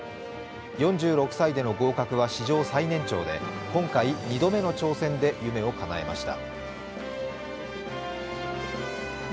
４６歳での合格は史上最年長で、今回２度目の挑戦で夢をかなえました。